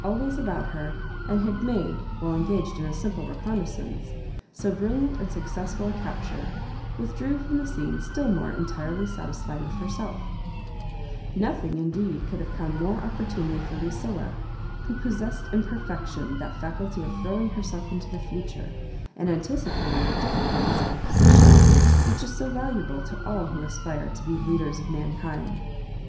ways about her, and had made, while engaged in a simple reconnaissance, so brilliant and success ful a capture, withdrew from the scene still more entirely satisfied with herselfl Nothing, indeed, could have come more opportunely for Lucilla, who possessed in perfection that faculty of throw ing herself into the future, and anticipating the difficulties of a position, which is so va luable to all who aspire to be leaders of mankind.